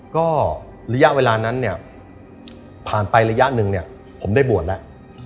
ก็ระยะเวลานั้นเนี่ยผ่านไประยะหนึ่งเนี่ยผมได้บวชแล้ว